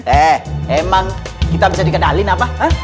eh emang kita bisa dikenalin apa